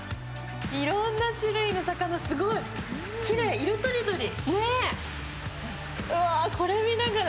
いろんな種類の魚、すごい、きれい、色とりどり。